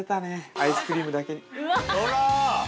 アイスクリームだけに。